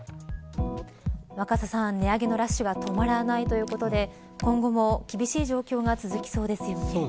若狭さん、値上げのラッシュが止まらないということで今後も厳しい状況が続きそうですよね。